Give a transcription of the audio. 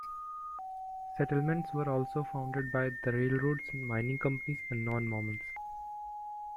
Settlements were also founded by the railroads, mining companies and non-Mormons.